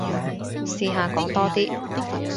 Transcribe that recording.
試下講多啲